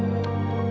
mama gak mau berhenti